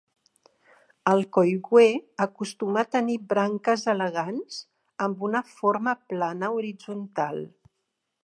El coigüe acostuma a tenir branques elegants amb una forma plana horitzontal.